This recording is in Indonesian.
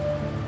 aku ingin tahu